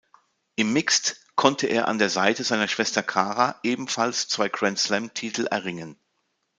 Im Mixed konnte er an der Seite seiner Schwester Cara ebenfalls zwei Grand-Slam-Titel erringen.